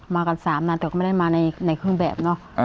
มากัน๓นัดแต่ก็ไม่ได้มาในเครื่องแบบเนอะ